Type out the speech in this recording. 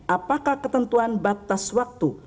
apakah ketentuan batas waktu